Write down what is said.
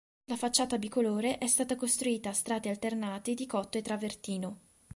La facciata bicolore è stata costruita a strati alternati di cotto e travertino.